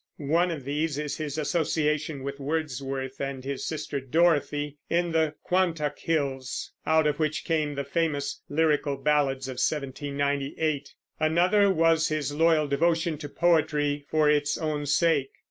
One of these is his association with Wordsworth and his sister Dorothy, in the Quantock hills, out of which came the famous Lyrical Ballads of 1798. Another was his loyal devotion to poetry for its own sake.